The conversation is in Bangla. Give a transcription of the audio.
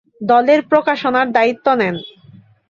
দলের প্রকাশনার দায়িত্ব নেন।